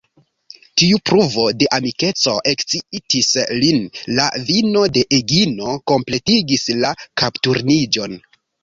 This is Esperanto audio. Tiu pruvo de amikeco ekscitis lin: la vino de Egino kompletigis la kapturniĝon.